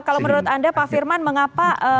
kalau menurut anda pak firman mengapa